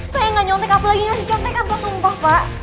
saya gak nyontek apalagi ngasih contekan pak sumpah pak